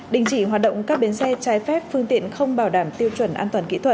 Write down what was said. đình chỉ hoạt động các bến xe trái phép phương tiện không bảo đảm tiêu chuẩn an toàn kỹ thuật